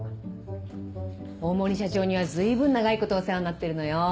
大森社長には随分長いことお世話になってるのよ。